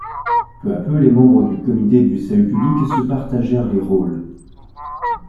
Peu à peu les membres du Comité de salut public se partagèrent les rôles.